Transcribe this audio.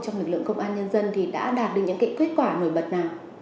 trong lực lượng công an nhân dân thì đã đạt được những kết quả nổi bật nào